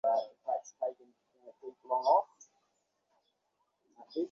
শ্রীকৃষ্ণ সব কাজই করেছিলেন, কিন্তু আসক্তিবর্জিত হয়ে।